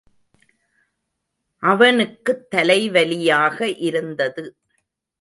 அவனுக்குத் தலைவலியாக இருந்தது.